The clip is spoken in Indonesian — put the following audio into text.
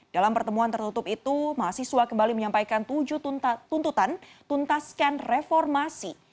dalam pertemuan tertutup itu mahasiswa kembali menyampaikan tujuh tuntutan tuntaskan reformasi